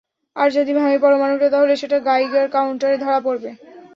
আর যদি ভাঙে পরমাণুটা, তাহলে সেটা গাইগার কাউন্টারে ধরা পড়বে।